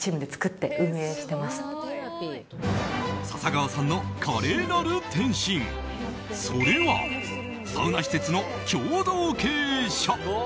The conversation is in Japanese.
笹川さんの華麗なる転身それはサウナ施設の共同経営者。